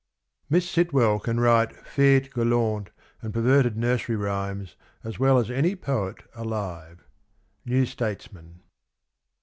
" Miss Sitwell can write Fetes Galantes and perverted nursery rh}'mes as well as any poet alive." — New Statesman.